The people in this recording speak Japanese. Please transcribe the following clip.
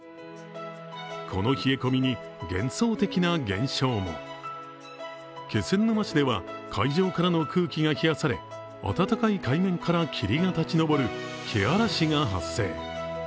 この冷え込みに幻想的な現象も気仙沼市では海上からの空気が冷やされ、温かい海面から霧が立ち上る気嵐が発生。